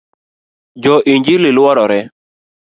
Jo injili luorore